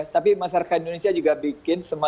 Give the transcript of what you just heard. tapi masyarakat indonesia juga bikin semangat